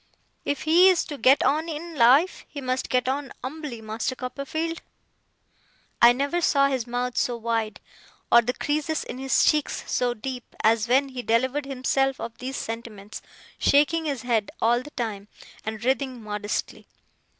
If he is to get on in life, he must get on umbly, Master Copperfield!' I never saw his mouth so wide, or the creases in his cheeks so deep, as when he delivered himself of these sentiments: shaking his head all the time, and writhing modestly.